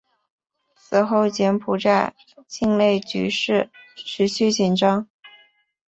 此后柬埔寨境内局势持续紧张。